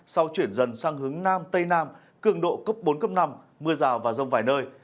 sau chuyển dần sang hướng nam tây nam cường độ cấp bốn cấp năm mưa rào và rông vài nơi